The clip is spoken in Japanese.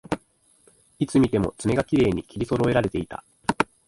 いつ見ても爪がきれいに切りそろえられていた